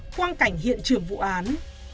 quan cảnh hiện trường vụ án